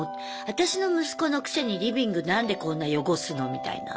私の息子のくせにリビング何でこんな汚すのみたいな。